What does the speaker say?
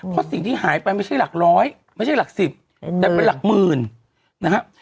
เพราะสิ่งที่หายไปไม่ใช่หลักร้อยไม่ใช่หลักสิบแต่เป็นหลักหมื่นนะครับ